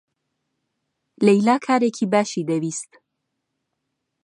لەیلا کارێکی باشی دەویست.